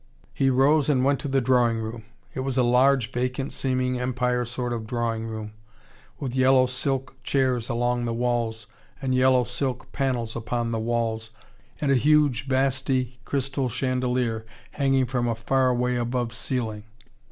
He rose and went to the drawing room. It was a large, vacant seeming, Empire sort of drawing room, with yellow silk chairs along the walls and yellow silk panels upon the walls, and a huge, vasty crystal chandelier hanging from a faraway above ceiling.